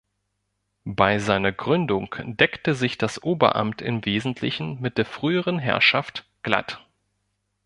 Bei seiner Gründung deckte sich das Oberamt im Wesentlichen mit der früheren Herrschaft Glatt.